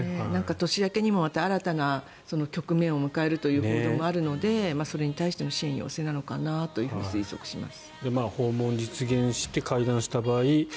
年明けにもまた新たな局面を迎えるという報道もあるのでそれに対しての支援要請なのかなと推測します。